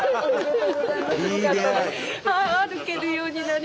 歩けるようになりました。